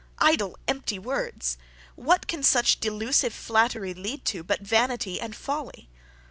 Idle empty words! what can such delusive flattery lead to, but vanity and folly?